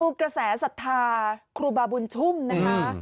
กระแสศรัทธาครูบาบุญชุ่มนะคะ